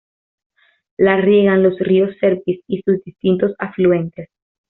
La riegan los ríos Serpis y sus distintos afluentes.